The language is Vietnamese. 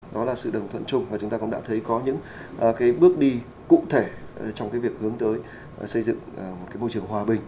đó là sự đồng thuận chung và chúng ta cũng đã thấy có những bước đi cụ thể trong việc hướng tới xây dựng một môi trường hòa bình